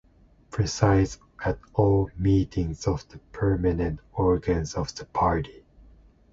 Presides at all meetings of the permanent organs of the party.